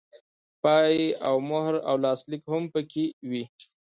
پای او مهر او لاسلیک هم پکې وي.